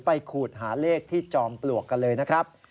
ขูดหาเลขที่จอมปลวกกันเลยนะครับ